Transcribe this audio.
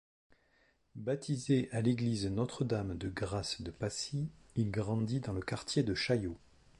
Baptisé à l'église Notre-Dame-de-Grâce-de-Passy, il grandit dans le quartier de Chaillot.